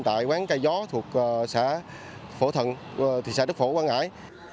tại quán cây gió thuộc thị xã đất phổ quang ngãi